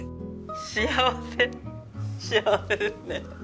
幸せ幸せですね。